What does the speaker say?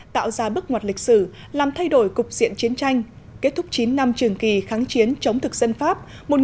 tạo ra bức ngoặt lịch sử làm thay đổi cục diện chiến tranh kết thúc chín năm trường kỳ kháng chiến chống thực dân pháp một nghìn chín trăm bốn mươi năm một nghìn chín trăm năm mươi bốn